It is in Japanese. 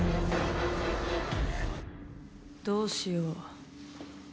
どうしよう。